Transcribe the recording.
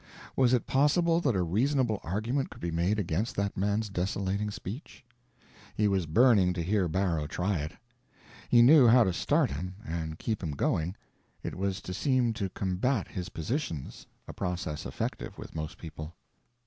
Was it possible that a reasonable argument could be made against that man's desolating speech? He was burning to hear Barrow try it. He knew how to start him, and keep him going: it was to seem to combat his positions—a process effective with most people.